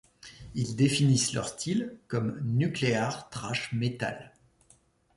Il définissent leur style comme nuclear thrash metal.